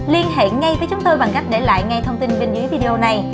liên hệ ngay với chúng tôi bằng cách để lại ngay thông tin bên dưới video này